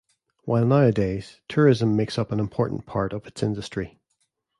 While nowadays, tourism makes up an important part of its industry.